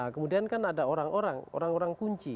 kemudian kan ada orang orang orang kunci